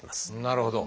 なるほど。